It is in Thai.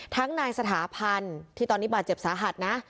นายสถาพันธ์ที่ตอนนี้บาดเจ็บสาหัสนะ